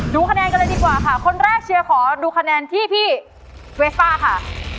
ดูคะแนนกันเลยดีกว่าค่ะคนแรกเชียร์ขอดูคะแนนที่พี่เวฟป้าค่ะ